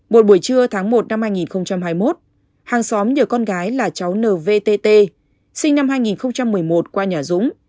một buổi trưa tháng một năm hai nghìn hai mươi một hàng xóm nhờ con gái là cháu n vtt sinh năm hai nghìn một mươi một qua nhà dũng